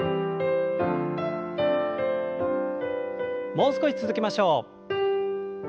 もう少し続けましょう。